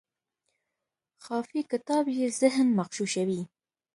خافي کتاب یې ذهن مغشوشوي.